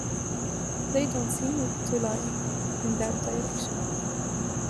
They don't seem to lie in that direction.